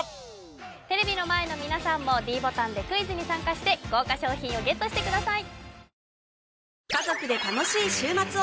テレビの前の皆さんもｄボタンでクイズに参加して豪華賞品をＧＥＴしてください